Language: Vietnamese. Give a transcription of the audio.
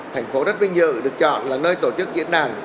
thành phố rất vinh dự được chọn là nơi tổ chức diễn đàn